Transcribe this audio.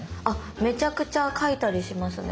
めちゃくちゃ描いたりしますね。